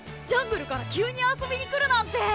ジャングルから急に遊びに来るなんて！